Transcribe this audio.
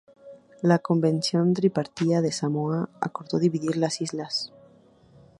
La "Convención Tripartita de Samoa", acordó dividir las islas.